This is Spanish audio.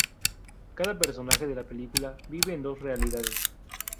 Cada personaje de la película vive en dos realidades.